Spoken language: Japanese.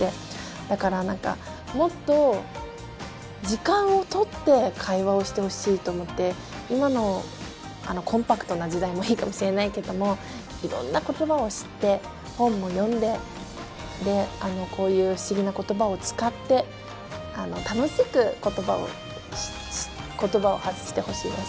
だから何かもっと時間をとって会話をしてほしいと思って今のコンパクトな時代もいいかもしれないけどもでこういう不思議な言葉を使って楽しく言葉を言葉を発してほしいです。